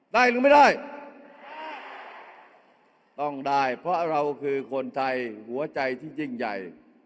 หรือไม่ได้ต้องได้เพราะเราคือคนไทยหัวใจที่ยิ่งใหญ่